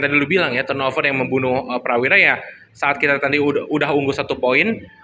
tadi lu bilang ya turnover yang membunuh prawira ya saat kita tadi udah unggul satu poin